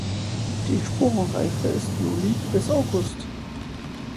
Die Sporenreife ist Juli bis August.